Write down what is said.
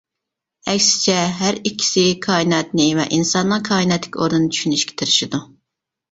ئەكسىچە ھەر ئىككىسى كائىناتنى ۋە ئىنساننىڭ كائىناتتىكى ئورنىنى چۈشىنىشكە تىرىشىدۇ.